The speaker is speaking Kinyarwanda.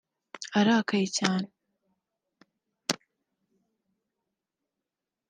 arakaye cyane